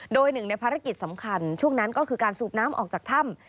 โดยหนึ่งในภารกิจสำคัญช่วงนั้นก็คือการสูบน้ำออกจากถ้ำ